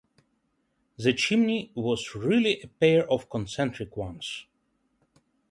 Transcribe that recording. The chimney was really a pair of concentric ones.